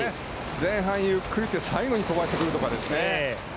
前半、ゆっくりいって最後に飛ばしてくるとかですね。